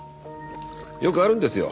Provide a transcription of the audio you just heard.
よくあるんですよ